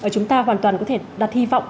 chúng ta hoàn toàn có thể đặt hy vọng